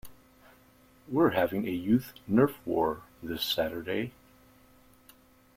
We're having a youth nerf war this Saturday.